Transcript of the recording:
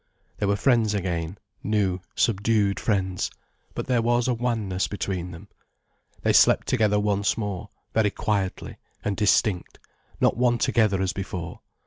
They were friends again, new, subdued friends. But there was a wanness between them. They slept together once more, very quietly, and distinct, not one together as before.